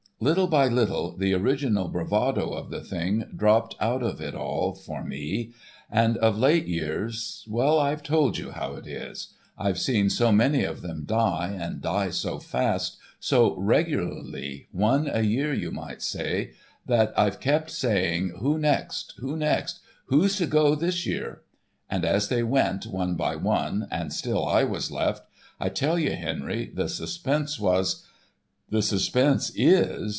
Little by little the original bravado of the thing dropped out of it all for me; and of late years—well I have told you how it is. I've seen so many of them die, and die so fast, so regularly—one a year you might say,—that I've kept saying 'who next, who next, who's to go this year?' ... And as they went, one by one, and still I was left ... I tell you, Henry, the suspense was, ... the suspense is